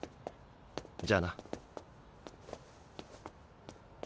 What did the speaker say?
じゃあな。